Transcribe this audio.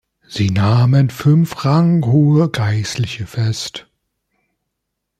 Sie nahmen fünf ranghohe Geistliche fest.